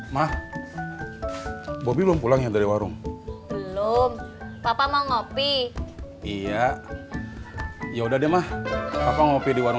mah boby belum pulangnya dari warung belum papa mau ngopi iya ya udah deh mah apa ngopi di warung